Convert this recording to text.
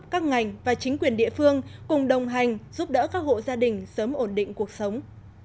các ngành và chính quyền địa phương cùng đồng hành giúp đỡ các hộ gia đình sớm ổn định cuộc sống